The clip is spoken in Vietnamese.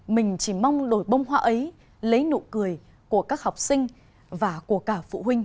mình chỉ mong đổi bông hoa ấy lấy nụ cười của các học sinh và của cả phụ huynh